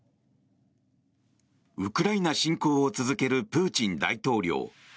ウクライナ侵攻を続けるプーチン大統領。